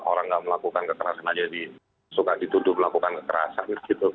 orang tidak melakukan kekerasan aja suka dituduh melakukan kekerasan